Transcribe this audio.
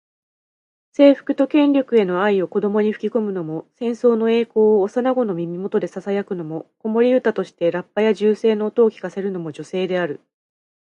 征服と権力への愛を子どもに吹き込むのも、戦争の栄光を幼子の耳元でささやくのも、子守唄としてラッパや銃声の音を聞かせるのも女性である。